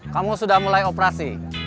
kamu sudah mulai operasi